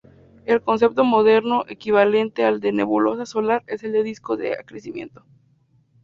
El concepto moderno equivalente al de nebulosa solar es el de disco de acrecimiento.